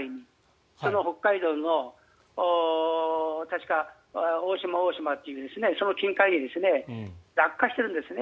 北海道の確か渡島大島というその近海に落下しているんですね。